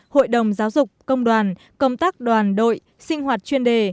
hội đồng giáo dục công đoàn công tác đoàn đội sinh hoạt chuyên đề